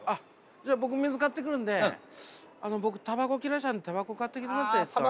じゃあ僕水買ってくるんであの僕タバコ切らしちゃったんでタバコ買ってきてもらっていいですか？